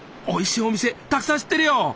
おいしいお店たくさん知ってるよ。